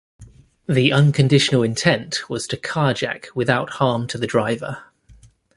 The unconditional intent was to carjack without harm to the driver.